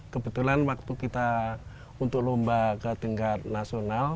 kebetulan waktu kita untuk lomba ke tingkat nasional